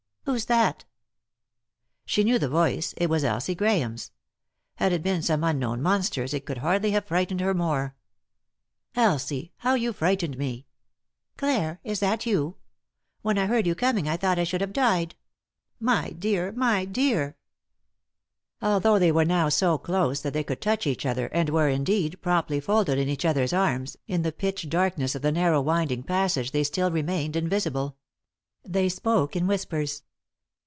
"Who's that?" She knew the voice, it was Elsie Grahame's ; had it been some unknown monster's it could hardly have frightened her more. " Elsie 1 How you frightened me 1 "" Clare I Is that you ? When I heard you coming I thought I should have died I My dear 1 my dear I " Although they were now so close that they could 4 3i 9 iii^d by Google THE INTERRUPTED KISS touch each other, and were, indeed, promptly folded in each other's arms, in the pitch darkness of the narrow winding passage they stilt remained invisible. They spoke in whispers.